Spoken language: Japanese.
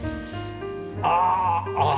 ああ！